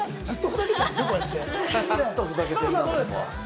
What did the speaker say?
ずっと、ふざけてる。